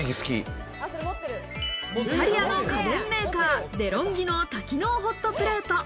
イタリアの家電メーカー、デロンギの多機能ホットプレート。